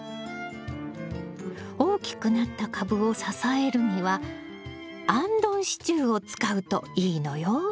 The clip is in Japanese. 大きくなった株を支えるにはあんどん支柱を使うといいのよ。